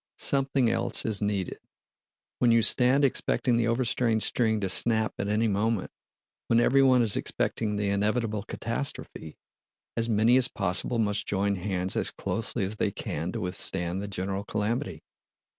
Something else is needed. When you stand expecting the overstrained string to snap at any moment, when everyone is expecting the inevitable catastrophe, as many as possible must join hands as closely as they can to withstand the general calamity.